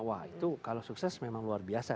wah itu kalau sukses memang luar biasa